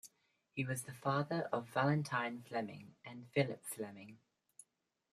He was the father of Valentine Fleming and Philip Fleming.